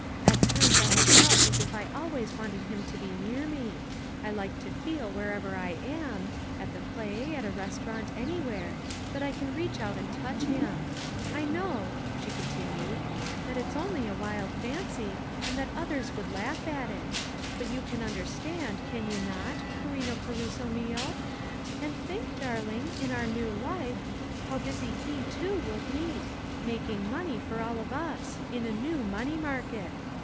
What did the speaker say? At times I have felt as if I always wanted him to be near me; I like to feel wherever I am at the play, at a restaurant, anywhere that I can reach out and touch him. I know," she continued, "that it's only a wild fancy and that others would laugh at it, but you can understand, can you not carino caruso mio? And think, darling, in our new life, how busy he, too, will be making money for all of us in a new money market.